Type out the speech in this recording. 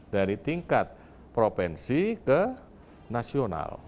dari tingkat provinsi ke nasional